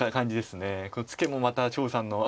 このツケもまた張栩さんの。